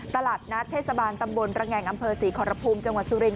ตลาดนัดเทศบาลตำบลระแงงอำเภอศรีขอรภูมิจังหวัดสุรินท